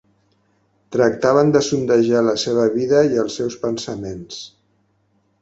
Tractaven de sondejar la seva vida i els seus pensaments.